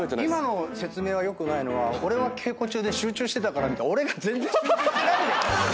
今の説明は良くないのは俺は稽古中で集中してたからみたいな。